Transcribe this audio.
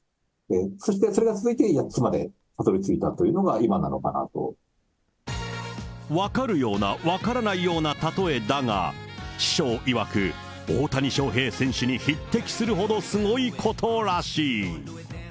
そしてこれが続いて８つまでたどりついたというのが、今なのかな分かるような、分からないような例えだが、師匠いわく、大谷翔平選手に匹敵するほどすごいことらしい。